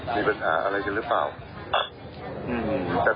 มีปัญหากี้หรือเปล่า